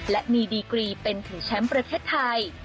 และมีดีกรีเป็นถือแชมป์ประเทศไทย